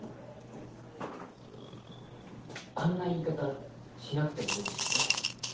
あんな言い方しなくてもいいのにね。